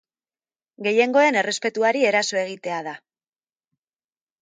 Gehiengoen errespetuari eraso egitea da.